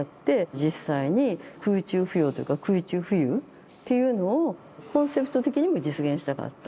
実際に空中浮揚っていうか空中浮遊っていうのをコンセプト的にも実現したかった